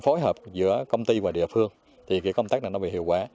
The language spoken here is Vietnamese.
phối hợp giữa công ty và địa phương thì cái công tác này nó bị hiệu quả